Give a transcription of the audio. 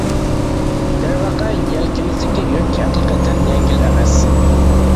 دەرۋەقە يەلكىمىزدىكى يۈك ھەقىقەتەن يەڭگىل ئەمەس.